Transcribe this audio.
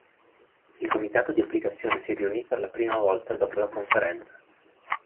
Il comitato di applicazione si riunì per la prima volta dopo la conferenza.